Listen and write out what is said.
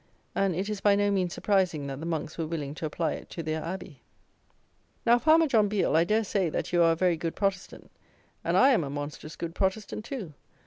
And it is by no means surprising that the monks were willing to apply it to their Abbey. Now, farmer John Biel, I dare say that you are a very good Protestant; and I am a monstrous good Protestant too.